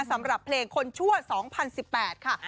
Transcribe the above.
สำหรับเพลงคนชั่ว๒๐๑๘ค่ะ